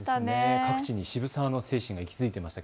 各地に渋沢の精神が息づいていましたね。